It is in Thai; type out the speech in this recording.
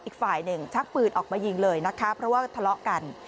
อีกฝ่ายหนึ่งชักปืนออกมายิงเลยนะคะเพราะว่าทะเลาะกัน